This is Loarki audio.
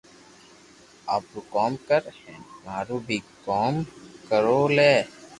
آپرو ڪوم ڪر ھين مارو بي ڪوم ڪرو لي